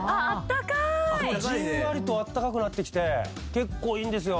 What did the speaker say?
じんわりとあったかくなってきて結構いいんですよ。